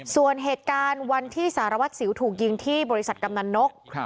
ส่วนเหตุการณ์วันที่สารวัตรสิวถูกยิงที่บริษัทกำนันนก